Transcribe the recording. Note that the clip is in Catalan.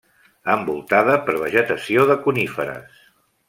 Envoltada per vegetació de coníferes.